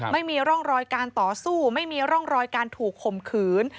ไม่มีร่องรอยการต่อสู้ไม่มีร่องรอยการถูกข่มขืน